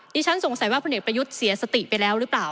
ฉันสงสัยว่าพลเอกประยุทธ์เสียสติไปแล้วหรือเปล่า